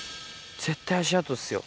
絶対足跡っすよ